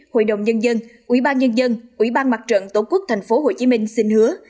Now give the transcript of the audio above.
hội đồng nhân dân ubnd ubnd tổ quốc tp hcm xin hứa